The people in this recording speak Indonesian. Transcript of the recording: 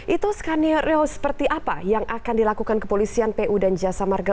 itu skenario seperti apa yang akan dilakukan kepolisian pu dan jasa marga